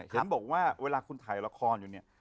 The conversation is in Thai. เห็นบอกว่าเวลาคุณถ่ายละครอยู่เนี่ย